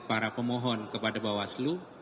para pemohon kepada bawaslu